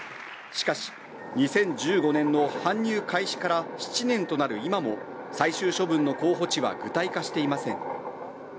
しかし、２０１５年の搬入開始から７年となる今も、最終処分の候補地は具体化していません。